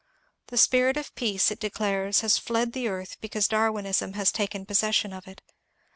The spirit of peace it de clares has fled the earth because Darwinism has taken posses sion of it.